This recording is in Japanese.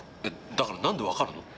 えっだから何で分かるの？